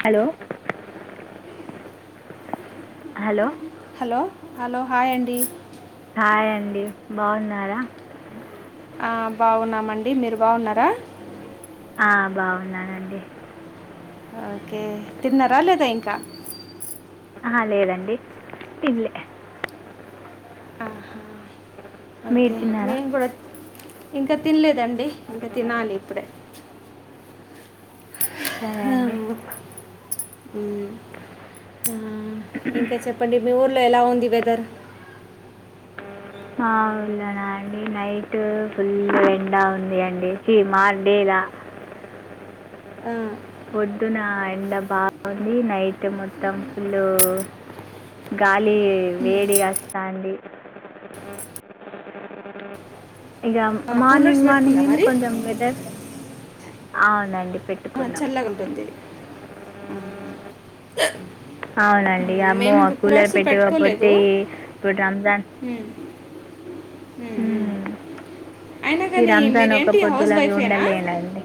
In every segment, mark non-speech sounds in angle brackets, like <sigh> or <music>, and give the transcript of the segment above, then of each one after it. Hello hello hello hello hi అండి hi అండి బావున్నారా ఆ బావున్నామండి మీరు బావున్నారా ఆ బావున్నానండి. తిన్నరా లేదా ఇంకా అహా లేదండి తిన్లే ఆహా, మీరు ఓకే తిన్నారా మేము గూడా ఇంకా తినలేదండి ఇంకా తినాలి ఇప్పుడే సరే అండి హుమ్ ఇంకా చెప్పండి మీ ఊర్లో ఎలా ఉంది వెదర్? <inaudible> అవునా అండి నైట్ ఫుల్ ఎండ ఉంది అండి <unintelligible> <inaudible> ఆ పొద్దున ఎండ బాగుంది నైట్ మొత్తం ఫుల్ గాలి వేడి అస్తాంది ఇగ కూలర్స్ మార్నింగ్ మార్నింగ్ పెట్టుకుందా ఏమో మరి కొంచెం వెదర్ ఆ పెట్టుకున్నాం చల్లగుంటుంది ఆ అవునండి అమ్మో మేము ఆ ఇంక కూలర్ కోర్స్ పెట్టుకోలేదు పెట్టకపోతే ఇప్పుడు రంజాన్ హుమ్ ఊమ్ హ్మ్. అయినా ఈ గాని రంజాన్ ఒక మీరేంటి హౌస్ పొద్దులాగా వైఫే నా? ఉండలేనండి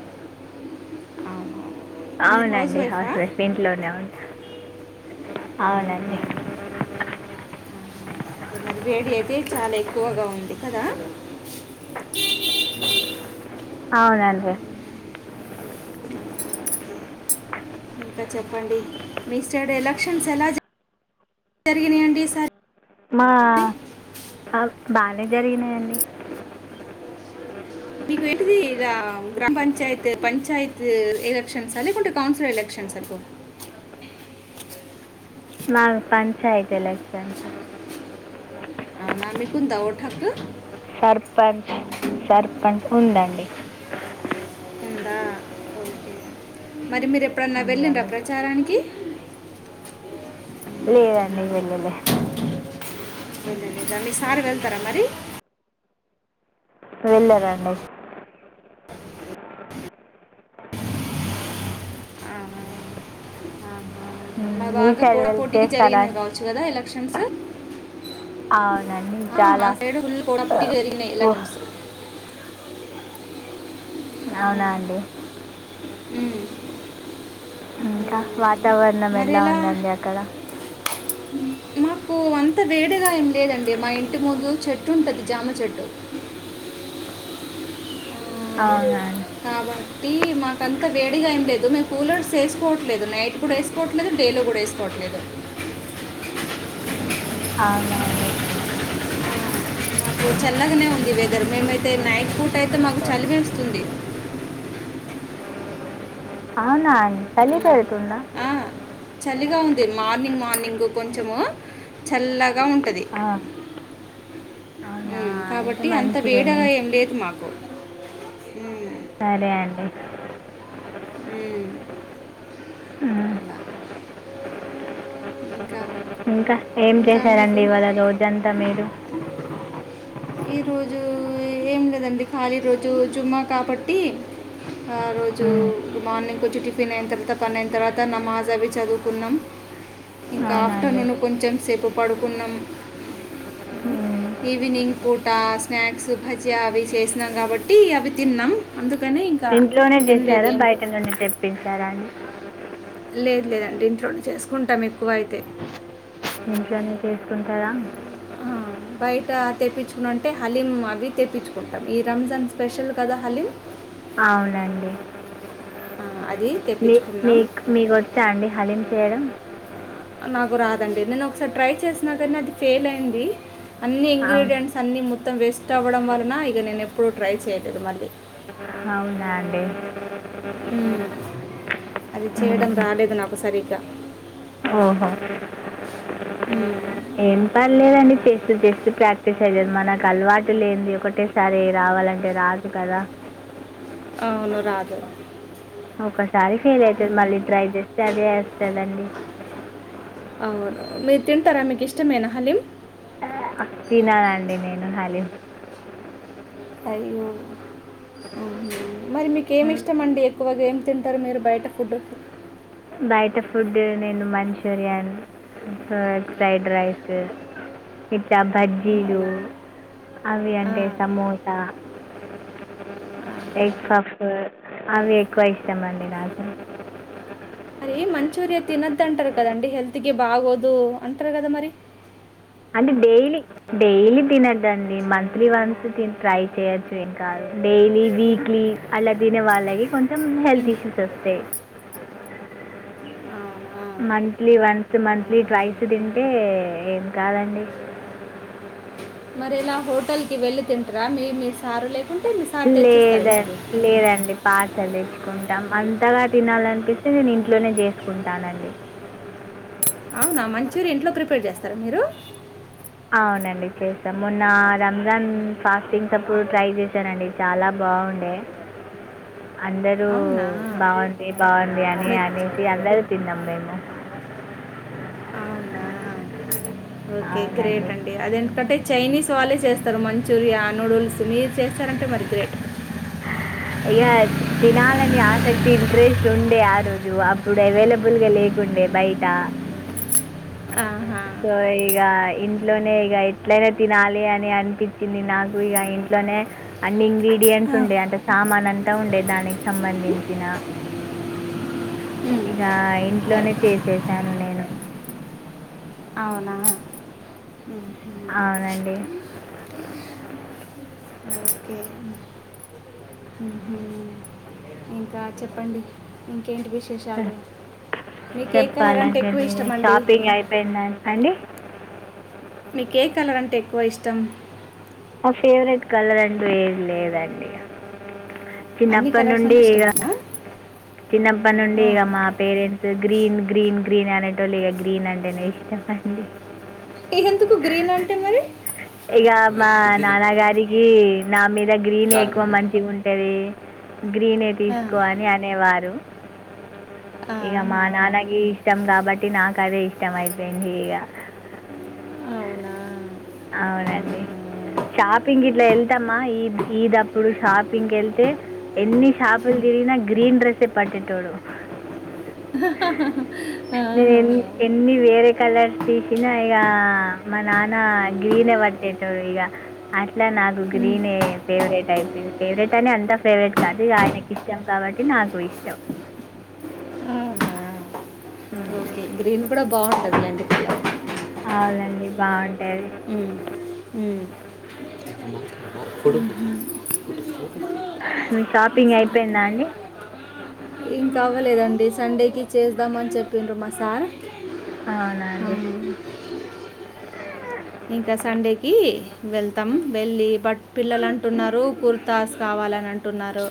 అవునండి వైఫా హౌస్ వైఫ్ ఇంట్లోనే అవునండి అవునా వేడి అయితే చాలా ఎక్కువగా ఉంది కదా అవునండి మీ స్టేడ్ ఎలక్షన్స్ ఎలా జ జరిగినాయండి ఈ సారి ఔ బానే జరిగినాయండి. నీకు ఏంటిది గ్రామ్ గ్రామ పంచాయత్ పంచాయత్ ఎలెక్షన్సా లేకుంటే కౌన్సిల్ ఎలక్షన్స్ సరిపో మావి పంచాయతీ ఎలక్షన్స్ అవునా మీకుందా ఓటు హక్కు పంచ్ ఉందండి. ఉందా ఓ మరి మీరు ఎప్పుడన్నా ఉంది వెళ్ళండ్రా అండి ప్రచారానికి లేదండి వెళ్ళలే ద మీ సార్ వెళ్తారా మరి వెళ్ళరండి హ్మ్. మా మీ బాగా సైడ్ పోటా వెళ్ళి పోటీకి చేస్తారా జరిగింది కావచ్చు కదా ఎలక్షన్స్ అవునండి ఆ మా చాలా సైడు ఫుల్ పోటా పోటీగా జరిగాయి ఎలక్షన్స్ అవునా అండి హ్మ్ ఇంకా వాతావరణం మరి ఎలా ఉందండి అక్కడ మ పు అంత వేడిగా ఏం లేదండి మా ఇంటి ముందు చెట్టు ఉంటది జామ చెట్టు ఆ, అవునా అండి కాబట్టి మాకంత వేడిగా ఏం లేదు మేము కూలర్స్ వేసుకోవట్లేదు నైట్ కూడా వేసుకోవట్లేదు డే కూడా వేసుకోవట్లేదు అవునా అండి నాకు చల్లగానే ఉంది వీధేర్ మేమైతే నైట్ పూట అయితే మాకు చలివేస్తుంది అవునా చలి పెడుతుందా ఆ, చలిగా ఉంది మార్నింగ్ మార్నింగ్ కొంచము చల్లగా ఉంటది ఆ అవునా హ్మ్ అయితే కాబట్టి అంత మంచిదే మీ వేడగా ఏం లేదు మాకు హ్మ్ సరే అండి హ్మ్ ఆ ఇంకా ఇంకా ఏం ఇంకా మీకు చేశారండి ఇవాళ రోజంతా మీరు ఈరోజు ఏం లేదండి ఖాళీ రోజు చుమ్మా కాబట్టి ఆ రోజు ఉమ్. మార్నింగ్ కొచ్చి టిఫిన్ అయిన తర్వాత పని అయిన తర్వాత నామాజ్ అవి చదువుకున్నాం ఇంకా అవునా అండి ఆఫ్టర్నూన్ కొంచం సేపు పడుకున్నాం హ ఈవినింగ్ పూట స్నాక్స్ భజియా అవి చేసినాం కాబట్టి అవి తిన్నాం అందు ఇంట్లోనే చేశారా బయట నుండి తెప్పించారా అండి లేదు లేదండి ఇంట్లోనే చేసుకుంటాం ఎక్కువ అయితే ఇంట్లోనే చేసుకుంటారా ఆ బయట తెప్పించుకునింటే హలీం అవి తెప్పించుకుంటాం ఈ రంజాన్ స్పెషల్ కదా హలీం అవునండి ఆ, అది మీ తెప్పించుకున్నాం మీక్ మీకు వచ్చా అండి హలీం చేయడం నాకు రాదండి నేను ఒకసారి ట్రై చేసినా కానీ అది ఫెయిల్ అయింది అన్ని అవును ఇంగ్రీడియంట్స్ అన్ని మొత్తం వేస్ట్ అవ్వడం వలన ఇక నేను ఎప్పుడూ ట్రై చేయలేదు మళ్ళీ. అవునా అండి హ్మ్ అది చేయడం హ్మ్. రాలేదు నాకు సరిగ్గా ఓహో హ్మ్ ఏం పర్లేదండి చేస్తు చేస్తు ప్రాక్టీస్ అయితది మనకు అలవాటు లేంది ఒకటేసారే రావు చెప్పాలంటే రాదు కదా అవును రాదు ఒకసారి ఫెయిల్ అయితది మళ్ళీ ట్రై చేస్తే అదే వస్తదండి అవును మీరు తింటరా మీకు ఇష్టమేన హలీం తిననండి నేను హలీం అయ్యో మరి మీకేమి హ్మ్. ఇష్టమండి ఎక్కువగా ఏం తింటారు మీరు బయట ఫుడ్ బయట ఫుడ్ నేను మంచూరియన్ ఫ్రైడ్ రైస్ ఇట్లా బజ్జీలు అవునా అవి ఆ. అంటే సమోసా ఎగ్ ఫాప్పు అవి ఎక్కువ ఇష్టామండి నాకు. అరే మంచూరియా తినద్ అంటారు కదండి హెల్త్కి బాగోదు అంటారు కదా మరి. అంటే డైలీ డైలీ తినద్దండి మంత్లీ వన్స్ ట్రై చేయొచ్చు ఏం కాదు డైలీ వీక్లీ అలా తినే వాళ్ళకి కొంచెం హెల్త్ ఇష్యూస్ వస్తాయ్. అవ్నా మంత్లీ వన్స్ మంత్లీ ట్వైస్ తింటే ఏం కాదండి. మరి ఇలా హోటల్ కి వెళ్ళి తింటరా మీ మీ సారు లే లేద లేదండి పర్సిల్ తెచ్చుకుంటాం అంత్ కొత్తగా తినాలనిపిస్తే నేను ఇంట్లోనే చేసుకుంటానండి. అవునా మంచూరి ఇంట్లో ప్రిపేర్ చేస్తారా మీరు. అవునండి చేస్తా మొన్న రంజాన్ ఫాస్టింగ్స్ అప్పుడు ట్రై చేశానండి చాలా బా బాగుండే <inaudible> అందరూ అవునా బాంది బాంది అని మీకు అనేసి అందరూ తిన్నాం మేము. అవ్నా ఓకే గ్రేట్ అవునండి అండి అది ఎందుకంటే చైనీస్ వాళ్ళే చేస్తారు మంచూరియా నూడిల్స్ మీరు చేస్తారంటే. మరి గ్రేట్ ఇక తినాలని ఆసక్తి ఇంట్రెస్ట్ ఉండే ఆ రోజు అప్పుడు అవైలబుల్ గా లేకు లేకుండే బయట <inaudible> ఆహా సో ఇగా ఇంట్లోనే ఇక ఎట్లనే తినాలి అని అనిపించింది, నాకు ఇక ఇంట్లోనే అన్ని ఇంగ్ ఇంగ్రీడియంట్స్ ఉండే అంటే సామాన్ అంతా ఉండే దానికి సంబంధించినా. ఇంగా ఇంట్లోనే చేసేసాను నేను అవునా అవునండి ఓకే ఇంకా చెప్పండి ఇంకేంటి విశేషాలు మీకు ఏ కలర్ అంటే చెప్పాలండి ఎక్కువ మీరే ఇష్టం అండి షాపింగ్ అయిపోయిందంత అండి. మీకి ఏ కలర్ అంటే ఎక్కువ ఇష్టం నా ఫేవరెట్ కలర్ అంటూ ఏమ్ లేదండి అన్ని చిన్నప్పటి కలర్స్ నుండి అంటే ఇగా ఇష్టమేనా చిన్నప్పనుండి ఆ. ఇగా మా పేరెంట్సు గ్రీన్ గ్రీన్ గ్రీన్ అనేటోళ్లు ఇగ గ్రీన్ అంటేనే ఇష్టం అండి. నీకెందుకు గ్రీన్ అన్ ఇగ మా నాన్నగారికి నా మీద గ్రీనే ఎక్కువ మంచిగా ఉంటది. గ్రీనే తీసుకో అని అనేవారు ఇగ మా ఆహా నాన్నకి ఇష్టం కాబట్టి నాకు అదే ఇష్టం అయిపోయింది ఇగా. అవ్ అవునండి షాపింగ్ ఇట్లా వెళ్తామా ఈద్ ఈద అప్పుడు షాపింగ్ కి వెళ్తే ఎన్ని షాపులు తిర్ అయినా గ్రీన్ డ్రెస్సె పట్టేటోడు హ హ హ మేమ్ ఎన్ని వేరే కలర్స్ తీసినా ఇగా మా నాన్న గ్రీనే పట్టేటోడు ఇగా అట్లా నాకు ఉమ్. గ్రీనే ఫేవరెట్ టైపోయింది ఫేవరెట్ అని అంతా ఫేవరెట్ కాదు ఆయనకి ఇష్టం కాబట్టి నాకు ఇష్టం. ఆహా ఉమ్. ఓకే గ్రీన్ కూడా బాగుంటదిలేండి అవునండి బాన్ ఉ ఉ ఉహు మీ షాపింగ్ అయిపోయిందా అండి ఇంకా అవ్వలేదండి సండేకి చేస్దమని చెప్పిండ్రు మా సార్ అవునండి ఉమ్. ఇంకా సండేకి వెళ్తాం వెళ్ళి బట్ పిల్లలు అంటున్నారు కుర్తా స్ కావాలని అంటున్నారు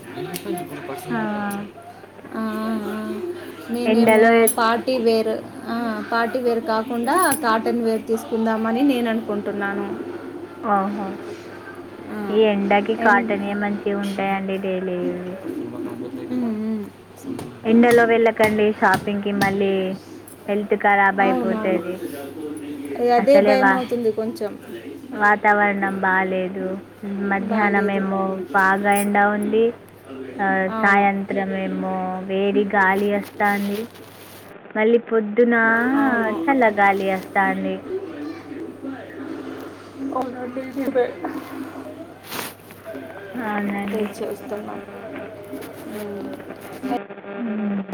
ఆ నేనేమో ఎండలో ఎత్- పార్టీ వేరు ఆ పార్టీ వేర్ కాకుండా కాటన్ వేర్ తీసుకుందామని నేను అనుకుంటున్నాను ఆహా ఆ, ఈ ఎండాకి అండ్ కాటన్ ఏ మంచి ఉంటాయండి డైలీ ఉమ్, ఉమ్. ఎండలో వెళ్ళకండి షాపింగ్కి మళ్ళీ హెల్త్ ఖరాబ్ అవునా అయిపోతుంది అదే అసలే వా భయంమవుతుంది కొంచెం వాతావరణం బాలేదు మధ్యాహ్నం బాగాలేదు ఏమో బాగా ఎండా ఉంది ఆ అవును సాయంత్రం ఏమో వేడి గాలి అస్తోంది మ అవును గాలి వస్తుంది <unintelligible> అవునండి వెయిట్ చేస్తున్నాం ఊమ్ అ <unintelligible>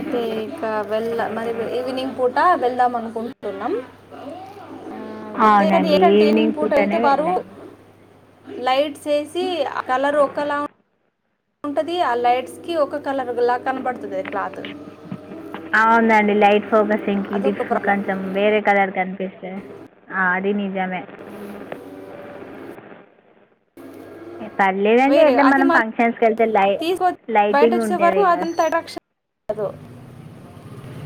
అయితే ఇక వెళ్ళ మరి ఈవినింగ్ పూట వెళ్దాం అనుకుంటున్నాం ఆ వెతే అది అవునండి ఏంటంటే ఈవింగ్ ఈవినింగ్ పూట పూటనే వెళ్తే వారు వెళ్ళండి లైట్స్ ఏసి కలర్ ఒక్కలా ఉంటది ఆ లైట్స్ కి ఒక కలర్లా కనబడుతద క్లాత్ అవునండి లైట్ ఫోకసింగ్కి అదొక డిస్కు ప్రాబ్లం కొంచెం వేరే కలర్ కన ఆ ఆది నిజమే పర్లేదండి వేరే ఎట్లా అది మనం ఫంక్షన్సకేళ్తే లై తీసుకొచ్చి లైటింగ్ ఉంటది గదా అగొ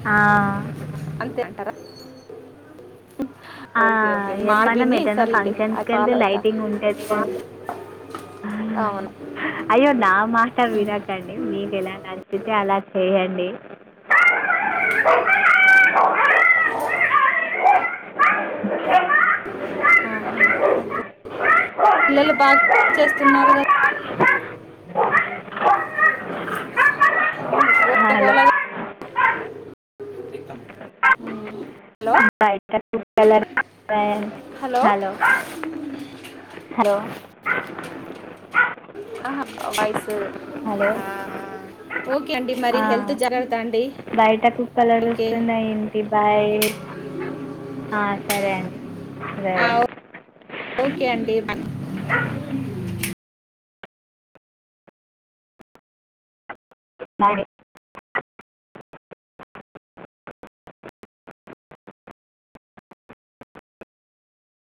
ఆ <unintelligible> ఆ, ఓకే ఓకే ఏ, మనం మార్విని ఎటైనా సర్లెండి చల్ండి అది ఫంక్షన్స్కి ఫాలో వెళ్తే అవుతా లైటింగ్ ఉంటుంది కదా మ్మ్. అవును అయ్యో నా మాట వినకండి మీకు ఎలా నచ్చితే అలా చెయండి <unintelligible> ఆహా అబ్బ పిల్లలు బాగా చేస్తున్నార కదా <unintelligible> ఉమ్ గోల హలో గోలగా ఉమ్ హలో బయట కుక్కల అరుపులు వైన్ హలో హలో ఆ వయసు హలో ఆ ఓక్ అండి మరి హెల్త్ జగర్తా అండి బయటకు కుక్కలు ఓకే అరుస్తున్నాయి ఏంటి బయ్ ఓకే ఆ సరే అండి లే ఆ, ఓకే అండి మన్ <inaudible> <inaudible>